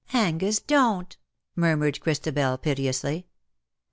^' Angus, don't," murmured Christabel, piteously.